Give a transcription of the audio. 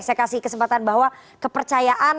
saya kasih kesempatan bahwa kepercayaan